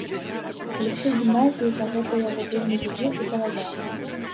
Калектыў гімназіі за гэта яго вельмі любіў і паважаў.